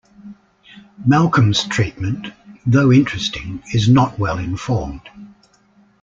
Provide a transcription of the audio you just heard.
Malcolm's treatment, though interesting, is not well informed.